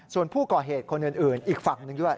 ส่วนผู้ก่อเหตุคนอื่นอีกฝั่งหนึ่งด้วย